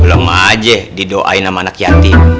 belum aja didoain sama anak yatim